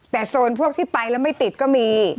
แต่โซนพวกที่ไปแล้วไม่ติดก็มี